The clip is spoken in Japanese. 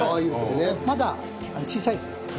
まだ小さいです。